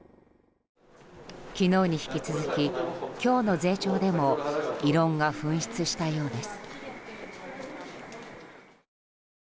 昨日に引き続き、今日の税調でも異論が噴出したようです。